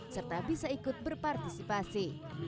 serta bisa ikut berpartisipasi